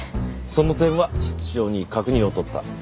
その点は室長に確認を取った。